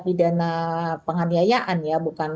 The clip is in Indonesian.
pidana penganiayaan ya